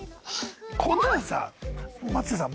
こんなのさ松下さん